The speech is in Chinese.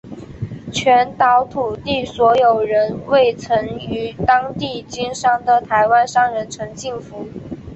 全岛土地所有人为曾于当地经商的台湾商人陈进福。